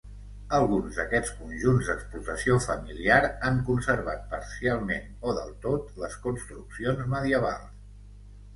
Algun d'aquests conjunts d'explotació familiar han conservat parcialment o del tot les construccions medievals.